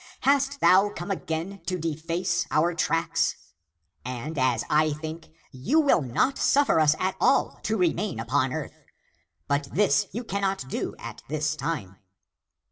Hast thou come again to deface our tracks. And as I think, you win not suffer us at all to remain upon earth. But this you cannot do at this time."